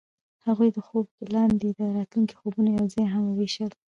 هغوی د خوب لاندې د راتلونکي خوبونه یوځای هم وویشل.